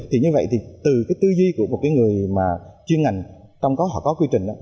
thì như vậy thì từ cái tư duy của một cái người mà chuyên ngành trong đó họ có quy trình đó